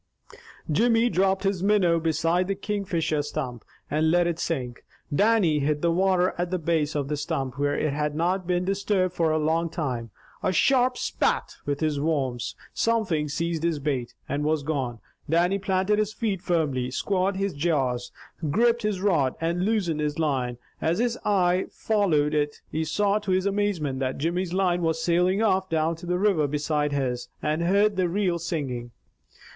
Jimmy dropped his minnow beside the Kingfisher stump, and let it sink. Dannie hit the water at the base of the stump, where it had not been disturbed for a long time, a sharp "Spat," with his worms. Something seized his bait, and was gone. Dannie planted his feet firmly, squared his jaws, gripped his rod, and loosened his line. As his eye followed it, he saw to his amazement that Jimmy's line was sailing off down the river beside his, and heard the reel singing.